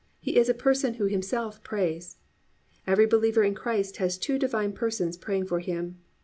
He is a person who Himself prays. Every believer in Christ has two Divine Persons praying for Him.